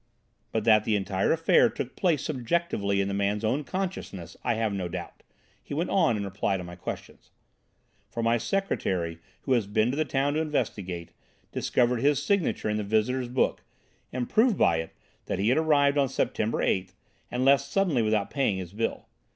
"But that the entire affair took place subjectively in the man's own consciousness, I have no doubt," he went on, in reply to my questions; "for my secretary who has been to the town to investigate, discovered his signature in the visitors' book, and proved by it that he had arrived on September 8th, and left suddenly without paying his bill.